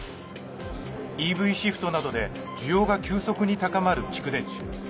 ＥＶシフトなどで需要が急速に高まる蓄電池。